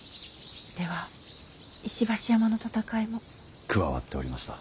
では石橋山の戦いも？加わっておりました。